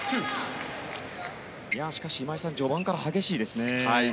しかし、今井さん序盤から激しいですね。